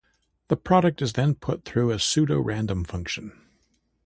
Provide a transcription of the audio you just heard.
The product is then put through a pseudo random function.